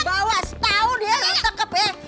bawah setahun ya lu tekep ya